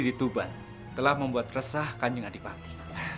jadi tuban telah membuat resah kanjeng adipati